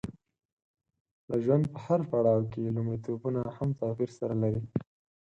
د ژوند په هر پړاو کې لومړیتوبونه هم توپیر سره لري.